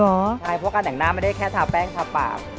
ใช่เพราะว่าการแต่งหน้าก็ได้แค่ท่าแป้งท์ท่าปาก